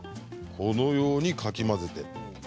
このようにかき混ぜて。